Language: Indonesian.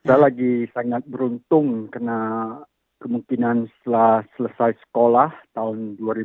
kita lagi sangat beruntung karena kemungkinan setelah selesai sekolah tahun dua ribu sembilan belas